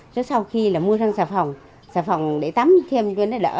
xong sau khi là mua sang xà phòng xà phòng để tắm thêm cho nó đỡ